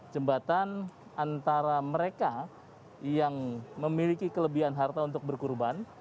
jembatan antara mereka yang memiliki kelebihan harta untuk berkurban